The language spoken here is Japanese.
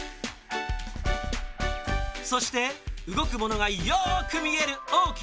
そしてうごくものがよくみえるおおきなめ。